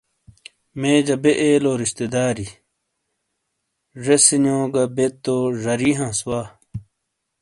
میجہ بے تھے ایلو رشتےداری ۔جےسینیو گہ بے تو زاری ہانس وا۔